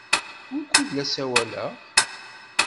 Wukud la ssawaleɣ?